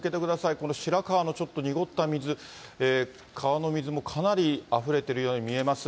この白川のちょっと濁った水、川の水もかなりあふれてるように見えます。